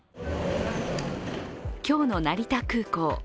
今日の成田空港。